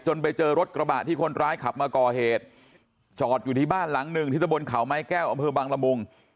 ไปเจอรถกระบะที่คนร้ายขับมาก่อเหตุจอดอยู่ที่บ้านหลังหนึ่งที่ตะบนเขาไม้แก้วอำเภอบังละมุง